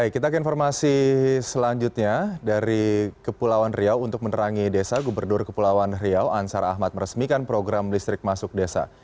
kita ke informasi selanjutnya dari kepulauan riau untuk menerangi desa gubernur kepulauan riau ansar ahmad meresmikan program listrik masuk desa